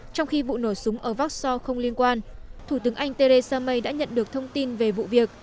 trong khi vụ nổ súng ở vác so không liên quan thủ tướng anh theresa may đã nhận được thông tin về vụ việc